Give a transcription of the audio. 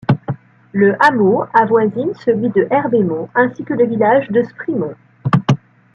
Le hameau avoisine celui de Herbaimont ainsi que le village de Sprimont.